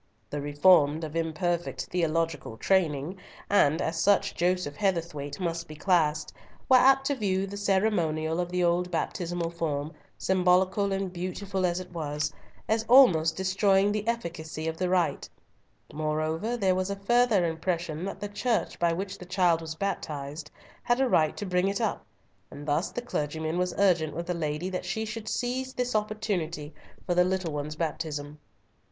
The Reformed of imperfect theological training, and as such Joseph Heatherthwayte must be classed, were apt to view the ceremonial of the old baptismal form, symbolical and beautiful as it was, as almost destroying the efficacy of the rite. Moreover, there was a further impression that the Church by which the child was baptized, had a right to bring it up, and thus the clergyman was urgent with the lady that she should seize this opportunity for the little one's baptism.